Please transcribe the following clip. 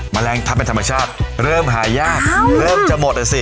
แมลงทัพเป็นธรรมชาติเริ่มหายากเริ่มจะหมดอ่ะสิ